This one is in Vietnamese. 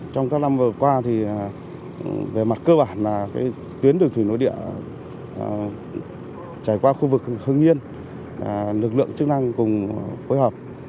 trong các năm vừa qua về mặt cơ bản tuyến đường thủy nội địa trải qua khu vực hương yên lực lượng chức năng cùng phối hợp